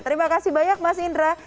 terima kasih banyak mas indra